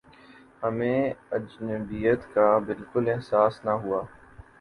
ہمیں اجنبیت کا بالکل احساس نہ ہوا